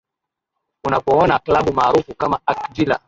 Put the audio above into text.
unapoona klabu maarufu kama acvilla